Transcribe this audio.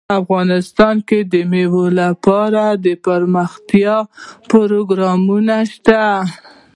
افغانستان کې د مېوې لپاره دپرمختیا پروګرامونه شته.